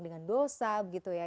dengan dosa gitu ya